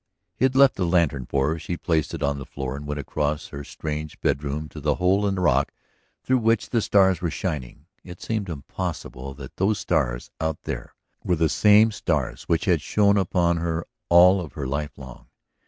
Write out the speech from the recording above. He had left the lantern for her. She placed it on the floor and went across her strange bedroom to the hole in the rock through which the stars were shining. It seemed impossible that those stars out there were the same stars which had shone upon her all of her life long.